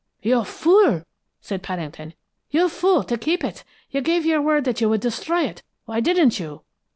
'" "'You fool!' said Paddington. 'You fool, to keep it! You gave your word that you would destroy it! Why didn't you?'